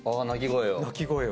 鳴き声を。